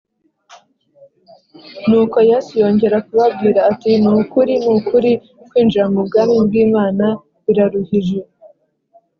Nuko Yesu yongera kubabwira ati ni ukuri ni ukuri kwinjira mu bwami bw’imana biraruhije